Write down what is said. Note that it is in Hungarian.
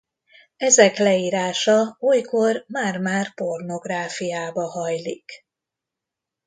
Ezek leírása olykor már-már pornográfiába hajlik.